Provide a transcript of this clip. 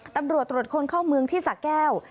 ตำรวจตรวจคนเข้าเมืองที่สะแก้ว